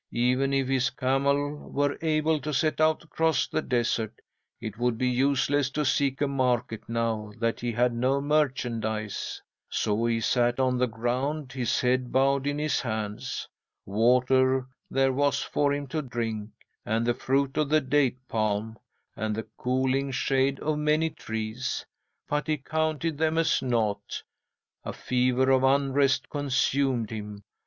Even if his camel were able to set out across the desert, it would be useless to seek a market now that he had no merchandise. So he sat on the ground, his head bowed in his hands. Water there was for him to drink, and the fruit of the date palm, and the cooling shade of many trees, but he counted them as naught. A fever of unrest consumed him.